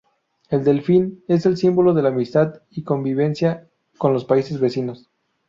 El Delfín, es el símbolo de la amistad y convivencia con los países vecinos.